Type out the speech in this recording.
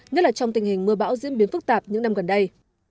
nhất là trong tình hình mưa bão diễn biến phức tạp những năm gần đây